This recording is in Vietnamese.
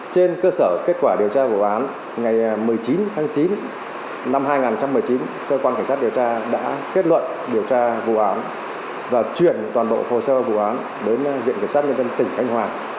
trên cơ sở kết quả điều tra vụ án ngày một mươi chín tháng chín năm hai nghìn một mươi chín cơ quan cảnh sát điều tra đã kết luận điều tra vụ án và chuyển toàn bộ hồ sơ vụ án đến viện kiểm sát nhân dân tỉnh khánh hòa